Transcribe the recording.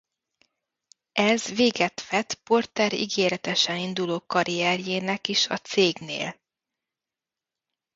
Ez véget vet Porter ígéretesen induló karrierjének is a cégnél.